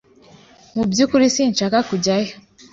Mu byukuri sinshaka kujyayo.